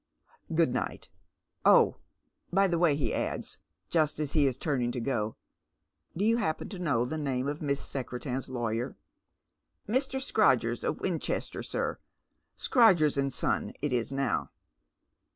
Good night. Oh, by the way," he adds, just as he is turning to go, *' do you happen to know the name of Miss Secretan's lawyer ?"" Mr. Scrodgers, of Winchester, sir. Scrodgers and Son it is now."